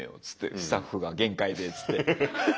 「スタッフが限界で」っつって。